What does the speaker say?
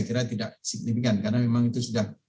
kira tidak signifikan karena memang itu sudah